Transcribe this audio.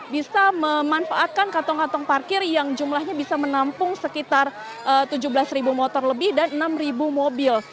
bisa memanfaatkan kantong kantong parkir yang jumlahnya bisa menampung sekitar tujuh belas ribu motor lebih dan enam mobil